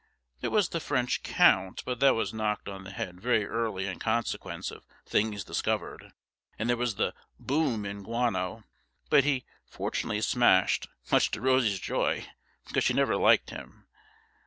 There was the French count, but that was knocked on the head very early in consequence of things discovered. And there was the Boom in Guano, but he fortunately smashed, much to Rosie's joy, because she never liked him.